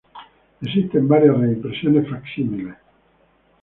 Existen varias reimpresiones facsímiles.